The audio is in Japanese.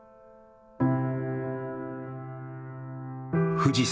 富士山。